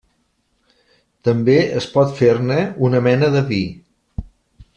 També es pot fer-ne una mena de vi.